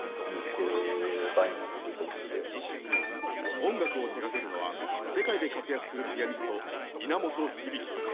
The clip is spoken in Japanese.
音楽を手がけるのは世界で活躍するピアニスト稲本響さん。